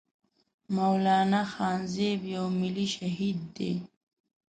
مولانا خانزيب يو ملي شهيد دی